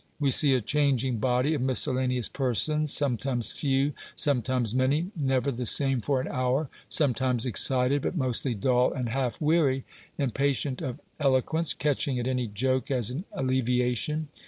We see a changing body of miscellaneous persons, sometimes few, sometimes many, never the same for an hour; sometimes excited, but mostly dull and half weary impatient of eloquence, catching at any joke as an alleviation.